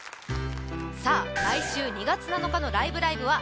さあ来週２月７日の「ライブ！